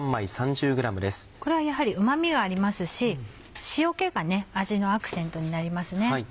これはやはりうま味がありますし塩気が味のアクセントになりますね。